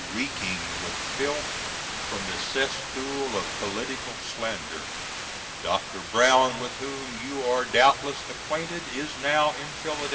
reeking with filth from the cesspool of political slander. Dr. Brown, with whom you are doubtless acqu^td, is now in Phila^d.